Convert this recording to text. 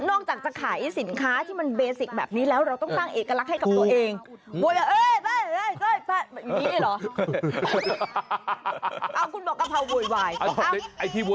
โอ้โห